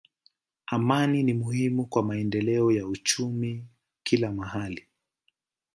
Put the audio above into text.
Amani ni muhimu kwa maendeleo ya uchumi kila mahali.